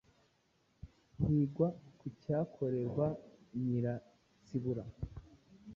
higwa ku cyakorerwa Nyiransibura.